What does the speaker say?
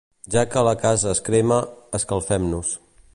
Ja que la casa es crema, escalfem-nos.